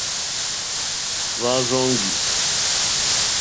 Hwá rzɔ́ŋgí.